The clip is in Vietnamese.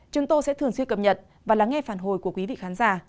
chúng tôi sẽ thường xuyên cập nhật và lắng nghe phản hồi của quý vị khán giả